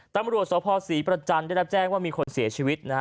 ตำรวจสภศรีประจันทร์ได้รับแจ้งว่ามีคนเสียชีวิตนะฮะ